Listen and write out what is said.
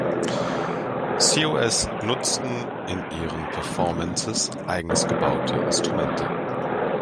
CoS nutzen in ihren Performances eigens gebaute Instrumente.